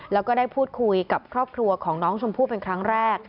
แล้วก็ได้พูดคุยกับครอบครัวของน้องชมพู่เป็นครั้งแรก